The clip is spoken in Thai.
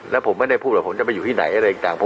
แล้วผมไม่ได้พูดว่าผมจะไปอยู่ที่ไหนอะไรต่าง